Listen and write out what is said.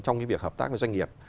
trong việc hợp tác với doanh nghiệp